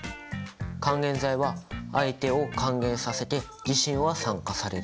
還元剤は相手を還元させて自身は酸化される。